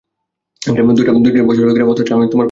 দুই-দুইটা বছর হয়ে গেলো, অথচ আমি তোমার পরিচয়টা পর্যন্ত জানি না।